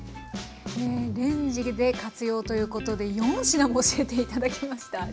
レンジで活用ということで４品も教えて頂きました。